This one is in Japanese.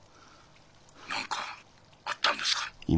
☎何かあったんですか？